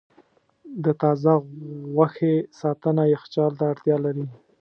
د تازه غوښې ساتنه یخچال ته اړتیا لري.